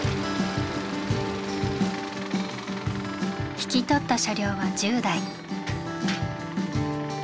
引き取った車両は１０台。